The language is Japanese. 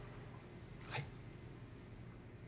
はい。